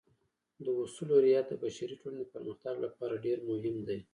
د اصولو رعایت د بشري ټولنې د پرمختګ لپاره ډېر مهم دی.